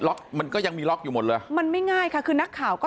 มันก็ยังมีล็อกอยู่หมดเลยมันไม่ง่ายค่ะคือนักข่าวก็